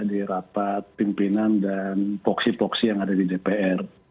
di rapat pimpinan dan voksi voksi yang ada di dpr